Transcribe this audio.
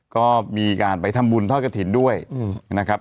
ก็มีการไปทำบุญทอดกระถิ่นด้วยนะครับ